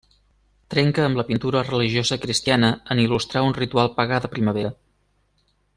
Trenca amb la pintura religiosa cristiana en il·lustrar un ritual pagà de primavera.